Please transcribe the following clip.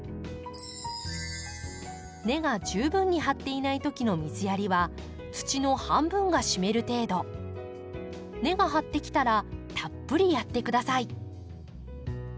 根が十分に張っていない時の水やりは根が張ってきたらたっぷりやって下さい。